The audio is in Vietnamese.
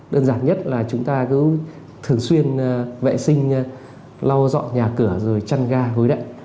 đơn giản nhất là chúng ta cứ thường xuyên vệ sinh lau dọn nhà cửa rồi chăn ga gối đậy